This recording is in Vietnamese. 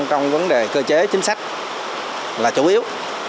trong vấn đề cơ chế chính sách là chủ yếu